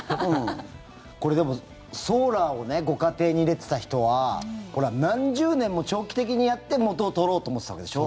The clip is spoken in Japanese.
これ、でもソーラーをご家庭に入れてた人は何十年も長期的にやって元を取ろうと思ってたわけでしょ？